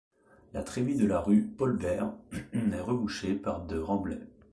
La trémie de la rue Paul-Bert est rebouchée par de remblais.